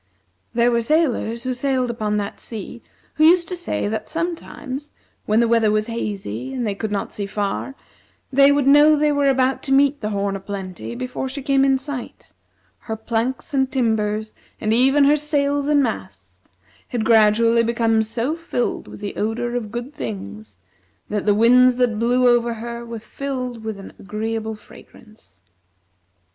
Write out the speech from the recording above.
There were sailors who sailed upon that sea who used to say that sometimes, when the weather was hazy and they could not see far, they would know they were about to meet the "Horn o' Plenty" before she came in sight; her planks and timbers, and even her sails and masts, had gradually become so filled with the odor of good things that the winds that blew over her were filled with an agreeable fragrance.